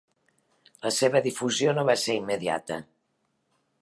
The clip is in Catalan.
La seva difusió no va ser immediata.